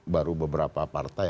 baru beberapa partai